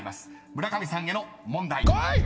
村上さんへの問題］